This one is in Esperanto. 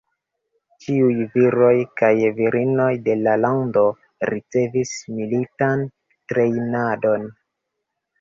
Ĉiuj viroj kaj virinoj de la lando ricevis militan trejnadon.